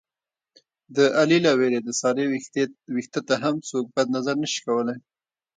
د علي له وېرې د سارې وېښته ته هم څوک بد نظر نشي کولی.